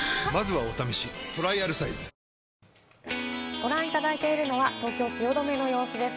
ご覧いただいてるのは東京・汐留の様子です。